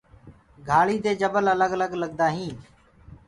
گھآݪدي دي جبل الگ الگ ديکدآ هينٚ۔